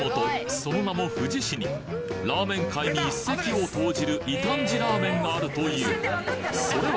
その名も富士市にラーメン界に一石を投じる異端児ラーメンがあるというそれは？